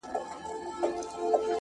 • پوره درې مياشتي امير دئ زموږ پېشوا دئ,